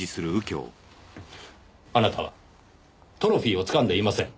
あなたはトロフィーをつかんでいません。